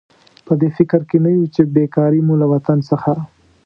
په دې فکر کې نه یو چې بېکاري مو له وطن څخه.